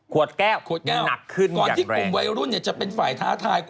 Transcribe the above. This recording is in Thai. ขวดแก้วหนักขึ้นอย่างแรงขวดแก้วก่อนที่กลุ่มวัยรุ่นเนี่ยจะเป็นฝ่ายท้าทาย